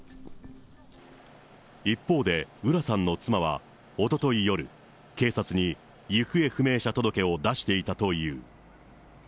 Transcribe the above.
一方で、浦さんの妻はおととい夜、警察に行方不明者届を出していたという。